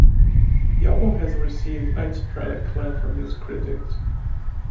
The album has received widespread acclaim from music critics.